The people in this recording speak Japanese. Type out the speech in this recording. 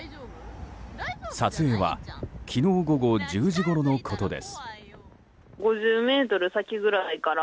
撮影は昨日午後１０時ごろのことです。